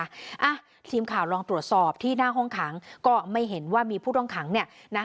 อ่ะทีมข่าวลองตรวจสอบที่หน้าห้องขังก็ไม่เห็นว่ามีผู้ต้องขังเนี่ยนะ